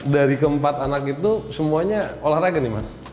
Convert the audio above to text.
dari keempat anak itu semuanya olahraga nih mas